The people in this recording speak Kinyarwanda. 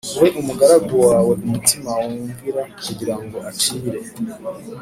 Uhe umugaragu wawe umutima wumvira kugira ngo acire